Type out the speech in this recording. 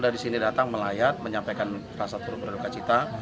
tapi dia di sini datang melihat menyampaikan rasa turut berduka cita